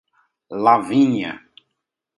Lavínia